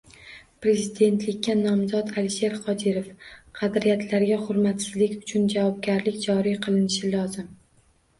Prezidentlikka nomzod Alisher Qodirov: “Qadriyatlarga hurmatsizlik uchun javobgarlik joriy qilinishi lozim”